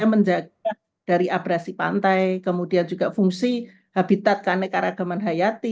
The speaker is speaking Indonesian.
menjaga dari abrasi pantai kemudian juga fungsi habitat keanekaragaman hayati